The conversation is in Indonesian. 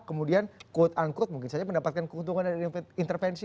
kemudian quote unquote mungkin saja mendapatkan keuntungan dari intervensi